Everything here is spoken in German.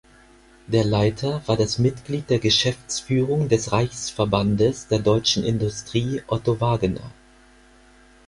Der Leiter war das Mitglied der Geschäftsführung des Reichsverbandes der deutschen Industrie Otto Wagener.